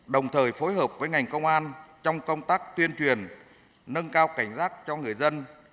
đồng thời phối hợp với ngành công an trong công tác tuyên truyền nâng cao cảnh giác cho người dân